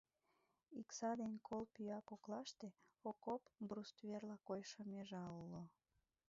Икса ден кол пӱя коклаште окоп брустверла койшо межа уло.